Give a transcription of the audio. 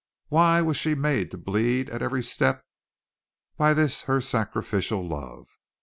Why was she made to bleed at every step by this her sacrificial love?